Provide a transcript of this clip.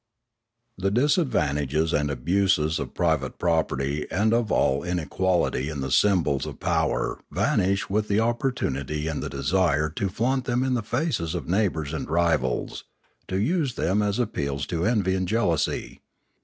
The disadvantages and abuses of private property and of all inequality in the symbols of power vanish with the opportunity and the desire to flaunt them in the faces of neighbours and rivals, to use them as ap peals to envy and jealousy.